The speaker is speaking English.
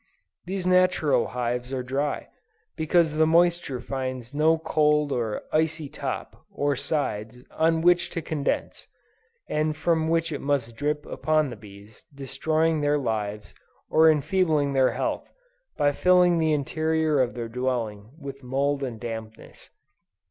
These natural hives are dry, because the moisture finds no cold or icy top, or sides, on which to condense, and from which it must drip upon the bees, destroying their lives, or enfeebling their health, by filling the interior of their dwelling with mould and dampness.